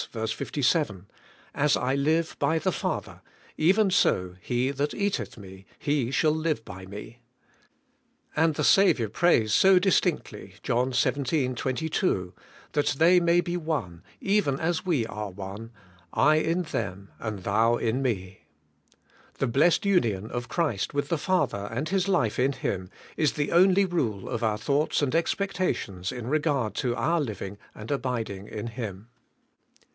(ver, 57), ^As I live by the Father, even so he that eateth me, he shall live by me'? And the Saviour prays so dis tinctly {John xvii. 22), Hhat they may be one even as 172 ABIDE IN CHRIST: "we are one: I in them, and Thou in me.' The blessed union of Christ with the Father and His life in Him is the only rule of our thoughts and expecta tions in regard to our living and abiding in Him.